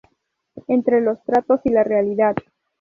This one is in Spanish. Entre los tratados y la realidad.